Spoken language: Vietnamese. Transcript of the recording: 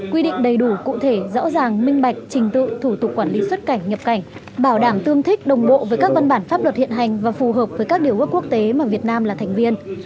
quy định đầy đủ cụ thể rõ ràng minh bạch trình tự thủ tục quản lý xuất cảnh nhập cảnh bảo đảm tương thích đồng bộ với các văn bản pháp luật hiện hành và phù hợp với các điều ước quốc tế mà việt nam là thành viên